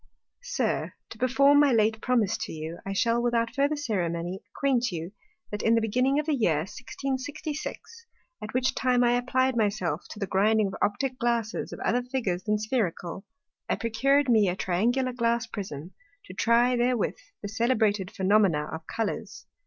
_ SIR, To perform my late promise to you, I shall without further Ceremony acquaint you, That in the beginning of the Year 1666 (at which time I apply'd my self to the grinding of Optick glasses of other Figures than Spherical,) I procur'd me a Triangular Glass Prism, to try therewith the celebrated Phænomena of Colours.